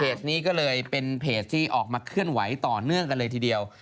นี้ก็เลยเป็นเพจที่ออกมาเคลื่อนไหวต่อเนื่องกันเลยทีเดียว